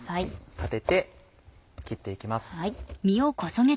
立てて切って行きます。